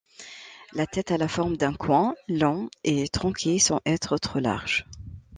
La tête a la forme d'un coin long et tronqué, sans être trop large.